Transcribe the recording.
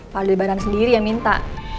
pak aldebaran sendiri yang minta